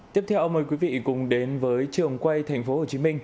tiếp theo mời quý vị cùng đến với trường quay tp hcm